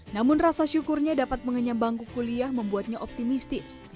namun rasa syukurnya dapat mengenyambangku kuliah membuatnya optimistis